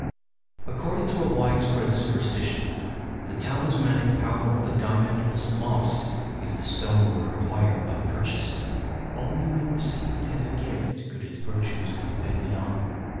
According to a wide spread superstition, the talismanic power of a diamond was lost if the stone were acquired by purchase; only when received as a gift could its virtues be depended on.